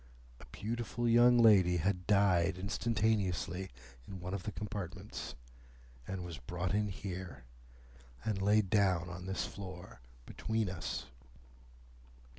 A beautiful young lady had died instantaneously in one of the compartments, and was brought in here, and laid down on this floor between us."